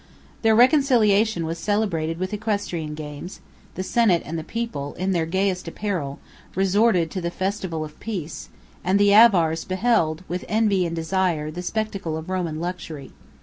Their reconciliation was celebrated with equestrian games; the senate and people, in their gayest apparel, resorted to the festival of peace; and the Avars beheld, with envy and desire, the spectacle of Roman luxury.